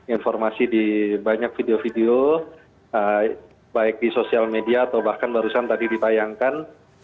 informasi di banyak video video baik di sosial media atau bahkan barusan tadi ditayangkan